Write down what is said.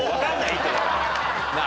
なあ。